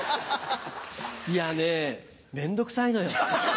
いやね面倒くさいのよ。